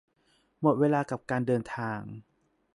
หมดเวลากับการเดินทาง